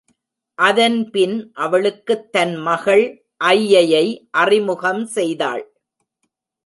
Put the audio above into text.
அதன்பின் அவளுக்குத் தன் மகள் ஐயையை அறிமுகம் செய்தாள்.